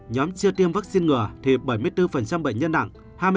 nhóm chưa tiêm vaccine ngừa thì bảy mươi bốn bệnh nhân nặng